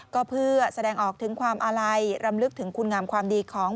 ก็เพื่อแสดงออกถึงความอาลัยรำลึกถึงคุณงามความดีของ